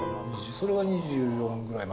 それが２４ぐらいまでで。